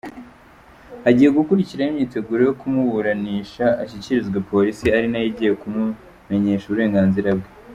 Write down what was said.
Hagiye gukurikiraho imyiteguro yo kumuburanisha, ashyikirijwe polisi ari nayo igiye kumumenyesha uburenganzira bwe.